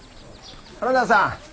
花田さん